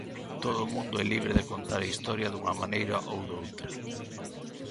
Todo o mundo é libre de contar a historia dunha maneira ou doutra.